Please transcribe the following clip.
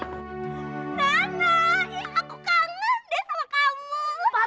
nana aku kangen deh sama kamu